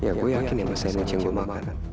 ya gua yakin emang sainich yang gua makan